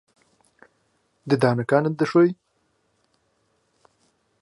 ددانەکانت دەشۆی؟